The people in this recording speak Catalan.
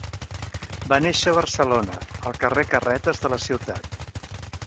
Va néixer a Barcelona, al carrer Carretes de la ciutat.